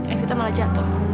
evita malah jatuh